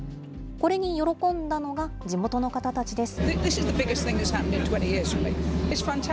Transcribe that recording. これに喜んだのが、地元の方たちです。